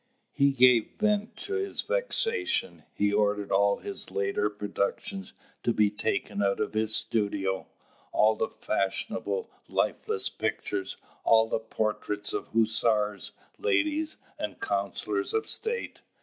He gave vent to his vexation. He ordered all his later productions to be taken out of his studio, all the fashionable, lifeless pictures, all the portraits of hussars, ladies, and councillors of state.